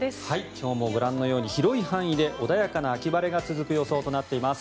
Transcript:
今日もご覧のように広い範囲で穏やかな秋晴れが続く予想となっています。